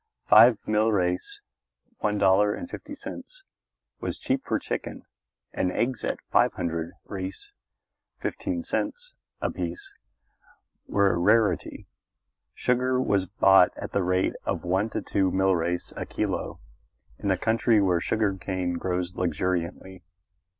Five milreis (one dollar and fifty cents) was cheap for a chicken, and eggs at five hundred reis (fifteen cents) apiece were a rarity. Sugar was bought at the rate of one to two milreis a kilo in a country where sugar cane grows luxuriantly.